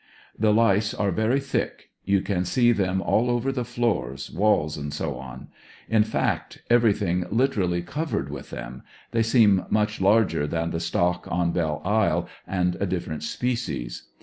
The lice are very thick. You can see them all over the floors, walls, &c., in fact everything literally covered with them; they seem much larger than the stock on Belle Isle and a different species.